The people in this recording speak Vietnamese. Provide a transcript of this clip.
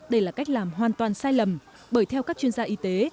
đây là cách làm hoàn toàn sai lầm bởi theo các chuyên gia y tế